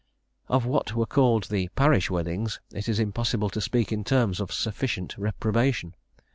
Of what were called the "Parish Weddings" it is impossible to speak in terms of sufficient reprobation.